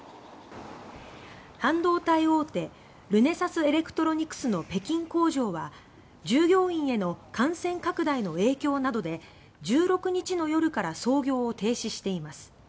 半導体大手ルネサスエレクトロニクスの北京工場は従業員への感染拡大の影響などで１６日の夜から操業を停止しています。